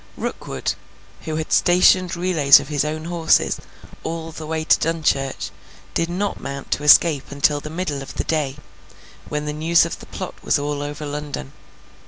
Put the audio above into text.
Rookwood, who had stationed relays of his own horses all the way to Dunchurch, did not mount to escape until the middle of the day, when the news of the plot was all over London.